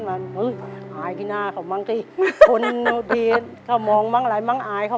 เล่นเขาก็ห้อมแมฆ